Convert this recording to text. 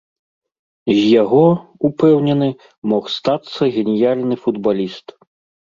З яго, упэўнены, мог стацца геніяльны футбаліст.